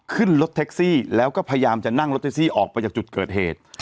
ขึ้นรถแท็กซี่แล้วก็พยายามจะนั่งรถแท็กซี่ออกไปจากจุดเกิดเหตุ